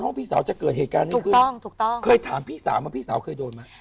พี่สาวจะเกิดเหตุการณ์นี้ขึ้นถูกต้องเคยถามพี่สาวว่าพี่สาวเคยโดนไหม